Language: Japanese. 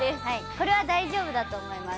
これは大丈夫だと思います